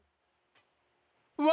うわ。